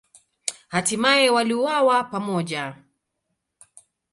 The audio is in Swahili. Hatimaye waliuawa pamoja.